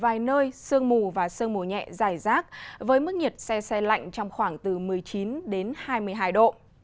ở vài nơi sương mù và sương mù nhẹ dài rác với mức nhiệt xe xe lạnh trong khoảng từ một mươi chín đến hai mươi hai độ